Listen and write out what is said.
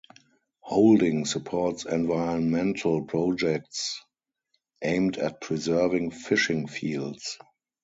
Holding supports environmental projects aimed at preserving fishing fields.